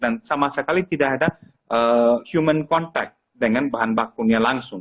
sama sekali tidak ada human contact dengan bahan bakunya langsung